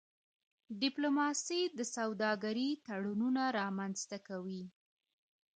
ډيپلوماسي د سوداګری تړونونه رامنځته کوي.